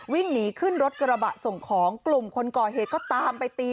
วิ่งหนีขึ้นรถกระบะส่งของกลุ่มคนก่อเหตุก็ตามไปตี